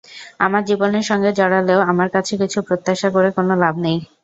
আমার জীবনের সঙ্গে জড়ালেও আমার কাছে কিছু প্রত্যাশা করে কোনো লাভ নেই।